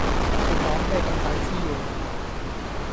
你講咩咁大枝野呀？